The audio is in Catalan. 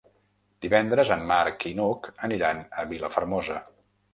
Divendres en Marc i n'Hug aniran a Vilafermosa.